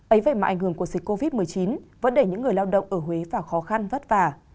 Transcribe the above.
ấy vậy mà ảnh hưởng của dịch covid một mươi chín vẫn để những người lao động ở huế vào khó khăn vất vả